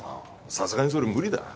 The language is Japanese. さすがにそれ無理だ